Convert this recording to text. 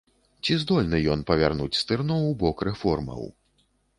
Ці здольны ён павярнуць стырно ў бок рэформаў?